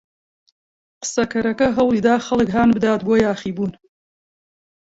قسەکەرەکە هەوڵی دا خەڵک هان بدات بۆ یاخیبوون.